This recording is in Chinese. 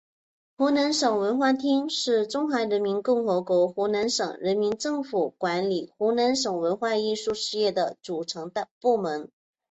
湖南省文化厅是中华人民共和国湖南省人民政府管理湖南省文化艺术事业的组成部门。